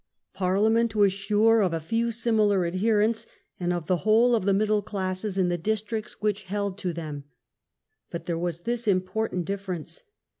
Parliament was sure of a few the combat similar adherents, and of the whole of the *"' middle classes in the districts which held to them. But there was this important difference.